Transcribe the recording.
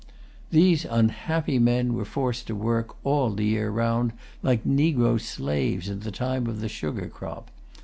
These unhappy men were forced to work all the year round like negro slaves in the time of the sugar crop.